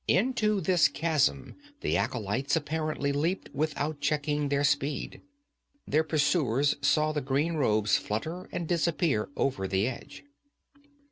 Into this chasm the acolytes apparently leaped without checking their speed. Their pursuers saw the green robes flutter and disappear over the edge.